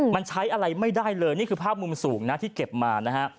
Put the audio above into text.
มันใช้อะไรไม่ได้เลยนี่คือภาพมุมสูงนะที่เก็บมานะฮะ